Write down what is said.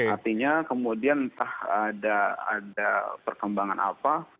artinya kemudian entah ada perkembangan apa